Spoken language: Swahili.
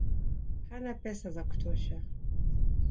Hana pesa za kutosha